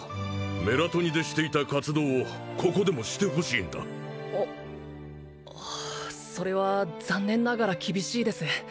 メラトニでしていた活動をここでもしてほしいんだそれは残念ながら厳しいです